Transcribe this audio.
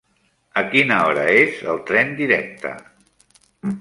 A quina hora és el tren directe?